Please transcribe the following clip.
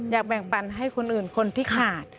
อยากแบ่งปันให้คนอื่นคนที่ขาด